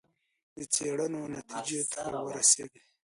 د څېړنې نتیجو ته ورسېږي.